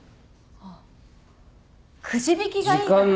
あっくじ引きがいいかな？